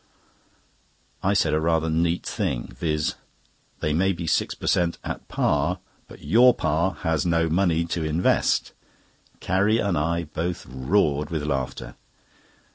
I said a rather neat thing, viz.: "They may be six per cent. at par, but your pa has no money to invest." Carrie and I both roared with laughter.